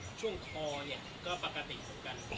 ช่วงคอเนี่ยก็ปกติเหมือนกัน